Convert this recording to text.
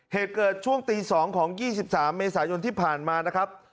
เหตุเกิดช่วงตี๒ของ๒๓เมษายนที่ผ่านมานะครับ